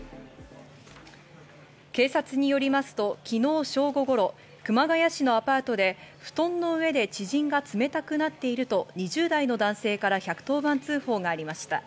警察によりますと昨日正午頃、熊谷市のアパートで布団の上で知人が冷たくなっていると、２０代の男性から１１０番通報がありました。